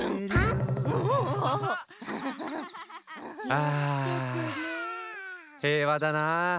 ああへいわだなあ。